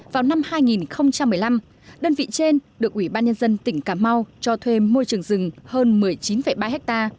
vào năm hai nghìn một mươi năm đơn vị trên được ủy ban nhân dân tỉnh cà mau cho thuê môi trường rừng hơn một mươi chín ba ha